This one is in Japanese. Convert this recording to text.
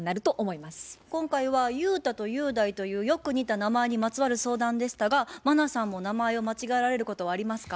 今回は雄太と雄大というよく似た名前にまつわる相談でしたが茉奈さんも名前を間違えられることはありますか？